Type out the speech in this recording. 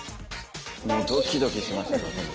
ドキドキしました。